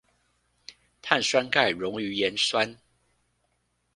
碳酸鈣溶於鹽酸